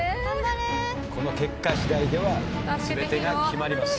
この結果次第では全てが決まります。